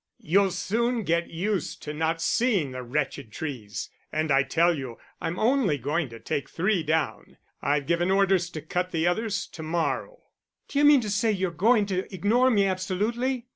You'll soon get used to not seeing the wretched trees and I tell you I'm only going to take three down. I've given orders to cut the others to morrow." "D'you mean to say you're going to ignore me absolutely?"